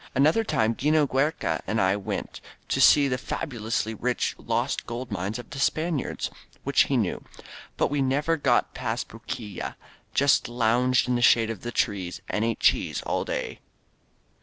An other time 'Gino Giiereca and I went to see the fabu lously rich lost mines of the Spaniards, which he knew. But we never got past Bruquilla — ^just lounged in the shade of the trees and ate cheese all day.